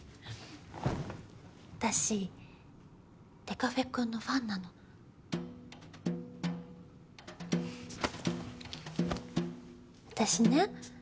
私デカフェくんのファンなの私ね